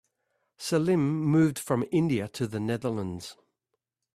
Salim moved from India to the Netherlands.